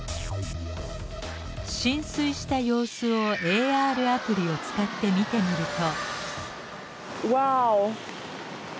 浸水した様子をＡＲアプリを使って見てみると。